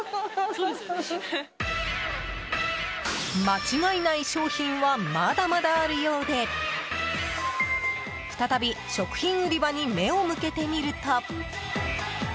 間違いない商品はまだまだあるようで再び食品売り場に目を向けてみると。